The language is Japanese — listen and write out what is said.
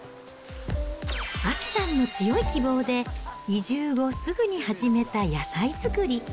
亜紀さんの強い希望で、移住後すぐに始めた野菜作り。